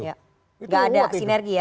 nggak ada sinergi ya